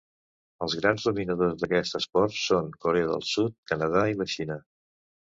Els grans dominadors d'aquest esport són Corea del Sud, Canadà i la Xina.